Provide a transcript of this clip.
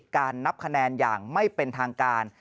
การนับคะแนนอย่างไม่เป็นทางการ